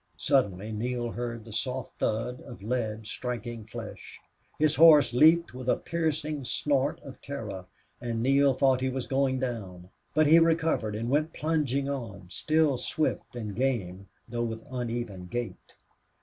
Suddenly Neale heard the soft thud of lead striking flesh. His horse leaped with a piercing snort of terror, and Neale thought he was going down. But he recovered, and went plunging on, still swift and game, though with uneven gait.